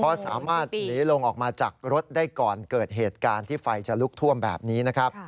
เพราะสามารถหนีลงออกมาจากรถได้ก่อนเกิดเหตุการณ์ที่ไฟจะลุกท่วมแบบนี้นะครับ